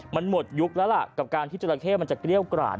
มันหมดยุคแล้วล่ะกับการที่จราเข้มันจะเกรี้ยวกราด